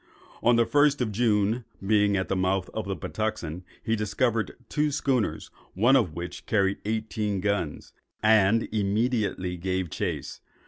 On the 1st of June, being at the mouth of the Patuxent, he discovered two schooners, one of which carried eighteen guns; and immediately gave chase.